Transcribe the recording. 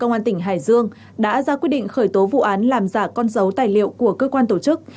công an tỉnh hải dương đã ra quyết định khởi tố vụ án làm giả con dấu tài liệu của cơ quan tổ chức